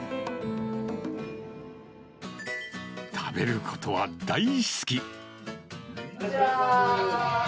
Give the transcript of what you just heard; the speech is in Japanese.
食べることは大好き。